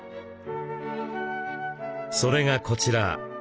それがこちら。